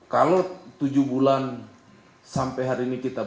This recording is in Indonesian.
kalau tujuan ini saya tidak akan menanggung jawab